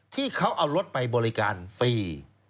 ที่เขาเอารถไปบริการฟรี